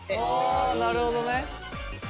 あなるほどね！